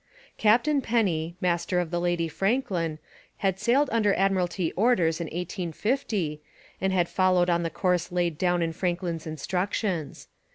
Captain Penny, master of the Lady Franklin, had sailed under Admiralty orders in 1850, and had followed on the course laid down in Franklin's instructions.